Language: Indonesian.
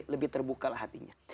lebih terbuka lah hatinya